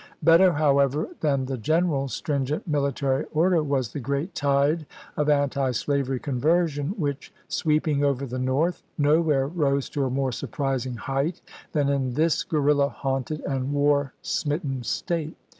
Better, however, than the general's stringent military order was the gi'eat tide of antislavery conversion, which, sweeping over the North, no where rose to a more surprising height than in this guerrilla haunted and war smitten State.